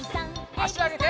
あしあげて。